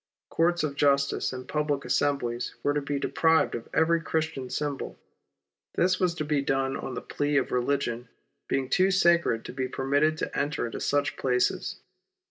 Courts of justice, and public assemblies were to be deprived of every Christian symbol. This was to be done on the plea of religion being too sacred to be permitted to enter into such places.